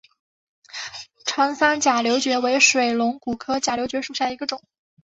苍山假瘤蕨为水龙骨科假瘤蕨属下的一个种。